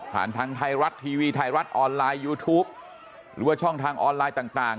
ทางไทยรัฐทีวีไทยรัฐออนไลน์ยูทูปหรือว่าช่องทางออนไลน์ต่าง